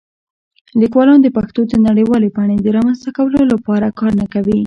لیکوالان د پښتو د نړیوالې بڼې د رامنځته کولو لپاره کار نه کوي.